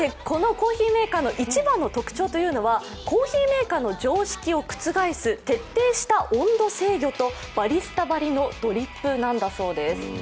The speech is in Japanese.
このコーヒーメーカーの一番の特徴というのはコーヒーメーカーの常識を覆す徹底した温度制御とバリスタばりのドリップなんだそうです。